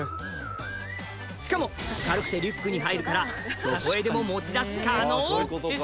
しかも軽くてリュックに入るからどこへでも持ち出し可能！